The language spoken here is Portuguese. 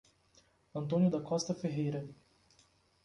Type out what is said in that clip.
Antônio da Costa Ferreira